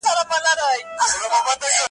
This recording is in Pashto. هغه کسان چي کتاب لولي د ژوند له ستونزو سره ښه `